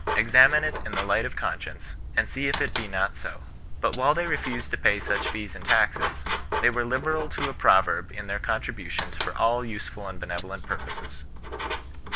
Examine it in the light of conscience, and see if it be not so.' But while they refrised to pay such fees and taxes, they were liberal to a proverb in their contributions for all usefrd and benevolent purposes.